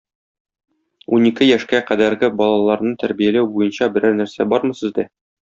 Унике яшькә кадәрге балаларны тәрбияләү буенча берәр нәрсә бармы сездә?